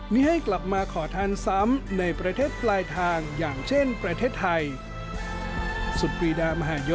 นี่ให้กลับมาขอทานซ้ำในประเทศปลายทางอย่างเช่นประเทศไทย